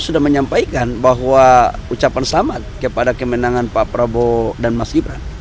sudah menyampaikan bahwa ucapan selamat kepada kemenangan pak prabowo dan mas gibran